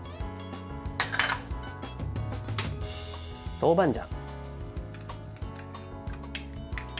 豆板醤。